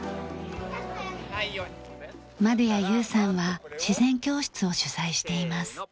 丸谷由さんは自然教室を主宰しています。